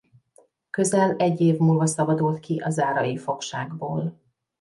Közel egy év múlva szabadult ki a zárai fogságból.